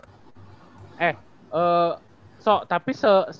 so tapi setelah si cory faldonya masuk ke uph itu